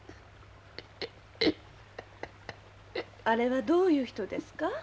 あれはどういう人ですか？